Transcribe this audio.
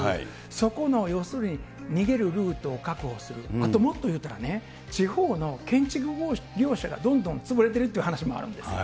そこの要するに、逃げるルートを確保する、あともっと言うたらね、地方の建築業者がどんどん潰れてるっていう話もあるんです。